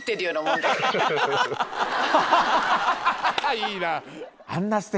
いいなぁ。